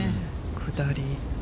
下り。